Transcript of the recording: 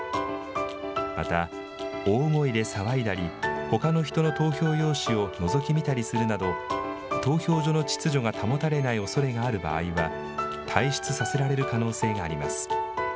また大声で騒いだり、ほかの人の投票用紙をのぞき見たりするなど投票所の秩序が保たれないおそれがある場合は退出させられる可能性があります。